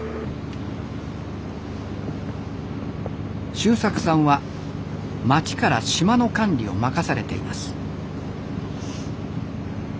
修策さんは町から島の管理を任されています。